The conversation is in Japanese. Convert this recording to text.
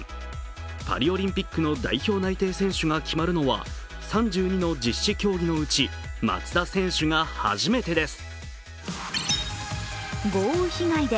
パリオリンピックの代表内定選手が決まるのは３２の実施競技のうち松田選手が初めてです。